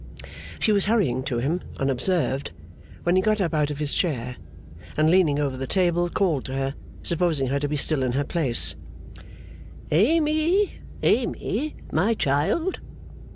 She was hurrying to him, unobserved, when he got up out of his chair, and leaning over the table called to her, supposing her to be still in her place: 'Amy, Amy, my child!